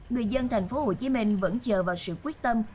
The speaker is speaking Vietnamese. người dân thành phố hồ chí minh vẫn chờ vào sự quyết tâm